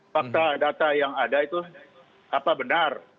fakta data yang ada itu apa benar